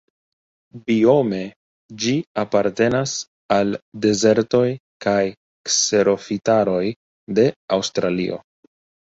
Biome ĝi apartenas al dezertoj kaj kserofitaroj de Aŭstralio.